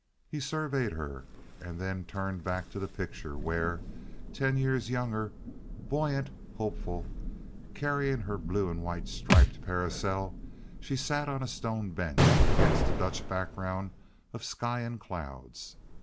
He surveyed her and then turned back to the picture where, ten years younger, buoyant, hopeful, carrying her blue and white striped parasol, she sat on a stone bench against the Dutch background of sky and clouds.